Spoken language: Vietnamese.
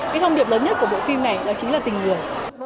cái thông điệp lớn nhất của bộ phim này đó chính là tình người